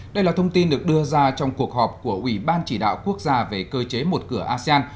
đây là thông tin được đưa ra trong cuộc họp của ủy ban chỉ đạo quốc gia về cơ chế một cửa asean